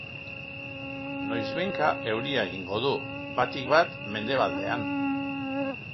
Noizbehinka euria egingo du, batik bat mendebaldean.